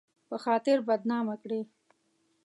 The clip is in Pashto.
په خاطر بدنامه کړي